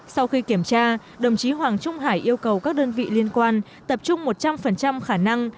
sau khi kiểm tra đồng chí hoàng trung hải yêu cầu các đơn vị liên quan tập trung một trăm linh khả năng